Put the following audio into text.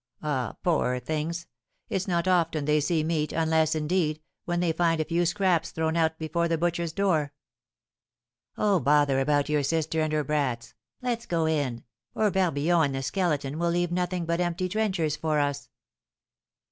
Ah, poor things! It's not often they see meat, unless, indeed, when they find a few scraps thrown out before the butcher's door." "Oh, bother about your sister and her brats! Let's go in, or Barbillon and the Skeleton will leave nothing but empty trenchers for us!"